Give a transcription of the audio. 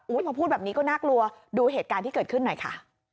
พอพูดแบบนี้ก็น่ากลัวดูเหตุการณ์ที่เกิดขึ้นหน่อยค่ะ